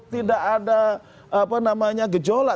tidak ada gejolak